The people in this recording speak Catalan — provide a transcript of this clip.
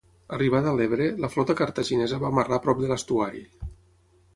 Arribada a l'Ebre, la flota cartaginesa va amarrar prop de l'estuari.